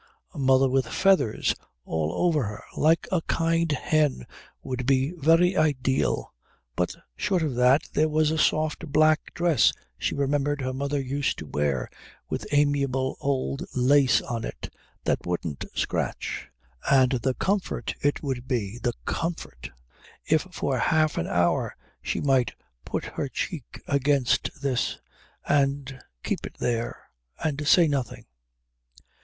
A mother with feathers all over her like a kind hen would be very ideal, but short of that there was a soft black dress she remembered her mother used to wear with amiable old lace on it that wouldn't scratch, and the comfort it would be, the comfort, if for half an hour she might put her cheek against this and keep it there and say nothing.